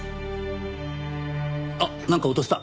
あっなんか落とした。